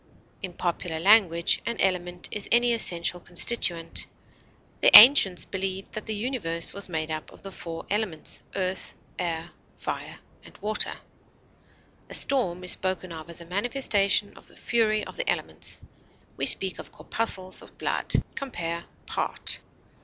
In popular language, an element is any essential constituent; the ancients believed that the universe was made up of the four elements, earth, air, fire, and water; a storm is spoken of as a manifestation of the fury of the elements. We speak of corpuscles of blood. Compare PART.